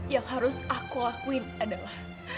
yang harus aku lakuin adalah